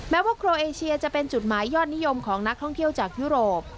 ว่าโครเอเชียจะเป็นจุดหมายยอดนิยมของนักท่องเที่ยวจากยุโรป